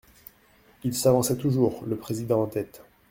Il s'avançait toujours, le président en tête.